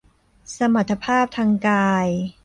สมรรถภาพทางกาย